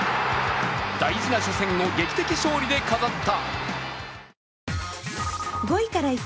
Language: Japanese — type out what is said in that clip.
大事な初戦を劇的勝利で飾った。